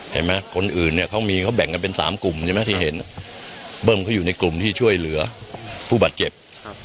เห็นไหมคนอื่นเนี่ยเขามีเขาแบ่งกันเป็นสามกลุ่มใช่ไหมที่เห็นเบิ้มเขาอยู่ในกลุ่มที่ช่วยเหลือผู้บาดเจ็บครับ